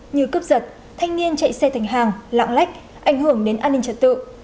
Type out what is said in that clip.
như cướp giật thanh niên chạy xe thành hàng lạng lách ảnh hưởng đến an ninh trật tự